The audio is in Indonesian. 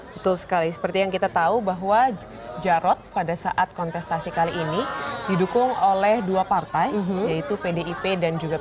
betul sekali seperti yang kita tahu bahwa jarod pada saat kontestasi kali ini didukung oleh dua partai yaitu pdip dan juga p tiga